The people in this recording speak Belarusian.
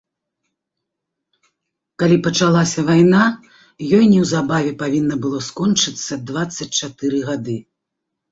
Калі пачалася вайна, ёй неўзабаве павінна было скончыцца дваццаць чатыры гады.